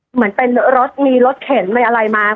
เหมือนเป็นรถมีรถเข็นมีอะไรมา